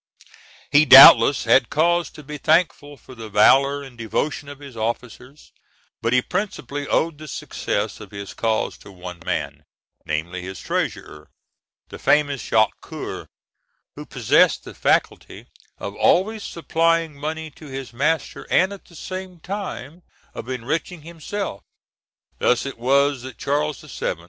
He, doubtless, had cause to be thankful for the valeur and devotion of his officers, but he principally owed the success of his cause to one man, namely, his treasurer, the famous Jacques Coeur, who possessed the faculty of always supplying money to his master, and at the same time of enriching himself (Fig. 284). Thus it was that Charles VII.